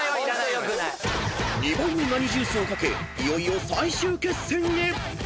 ［２倍のナニジュースを懸けいよいよ最終決戦へ］